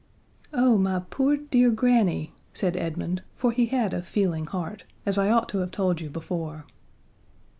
"Oh, my poor, dear granny," said Edmund, for he had a feeling heart, as I ought to have told you before.